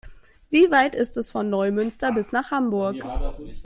Wie weit ist es von Neumünster bis nach Hamburg?